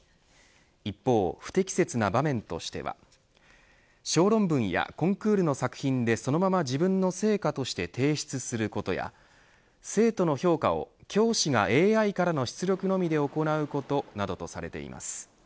一方、不適切な場面としては小論文やコンクールの作品でそのまま自分の成果として提出することや生徒の評価を教師がＡＩからの出力のみで行うこと、などとされています。